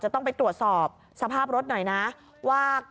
ต้องทดสอบสภาพรถนี่นะ